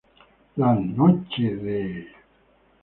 La noche de...